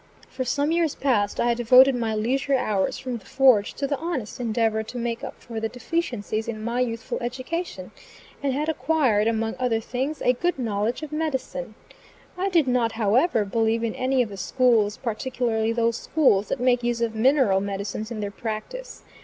For some years past, I had devoted my leisure hours from the forge to the honest endeavor to make up for the deficiencies in my youthful education, and had acquired, among other things, a good knowledge of medicine. I did not however, believe in any of the "schools" particularly those schools that make use of mineral medicines in their practice.